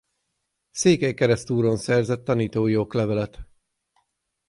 Székelykeresztúron szerzett tanítói oklevelet.